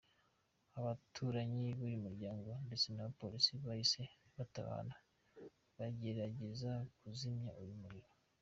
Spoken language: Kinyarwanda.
Abaturanyi b’uyu muryango ndetse na polisi bahise batabara bagerageza kuzimya uyu muriro.